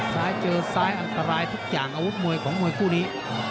ซ้ายเจอซ้ายอันตรายทุกอย่างอาวุธมวยของมวยคู่นี้